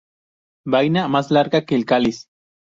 Vaina más larga que el cáliz.